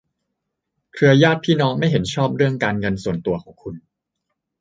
เครือญาติพี่น้องไม่เห็นชอบเรื่องการเงินส่วนตัวของคุณ